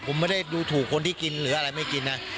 ผมไม่ได้ดูถูกคนที่กินหรืออะไรไม่กินนะ